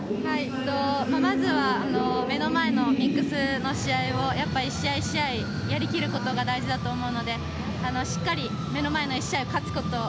まずは目の前のミックスの試合を１試合１試合やりきることが大事だと思うのでしっかり目の前の１試合を勝つこと。